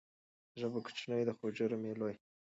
ژبه کوچنۍ ده خو جرم یې لوی.